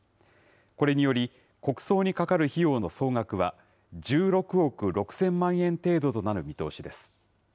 これにより、国葬にかかる費用の総額は、１６億６０００万円程度となる見通しです。